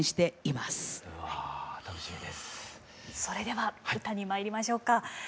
それでは歌にまいりましょうか。